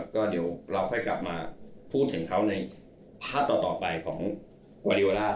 อ๋อก็เดี๋ยวเราค่อยกลับมาพูดถึงเขาในภาคต่อไปของกวรีวราช